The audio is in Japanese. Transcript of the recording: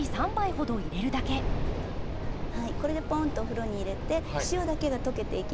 これでポーンとお風呂に入れて塩だけが溶けていきます。